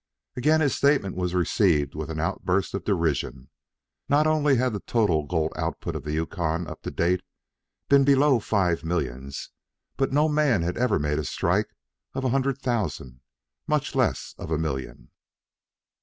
Again his statement was received with an outburst of derision. Not only had the total gold output of the Yukon up to date been below five millions, but no man had ever made a strike of a hundred thousand, much less of a million.